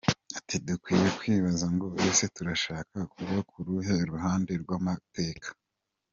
Ati “Dukwiye kwibaza ngo ese turashaka kuba ku ruhe ruhande rw’amateka?